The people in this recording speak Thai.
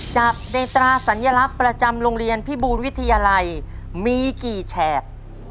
จากใดีตระศัลยัลัยประจำโรงเรียนพี่บูรวิทยาลัยมีกี่แชก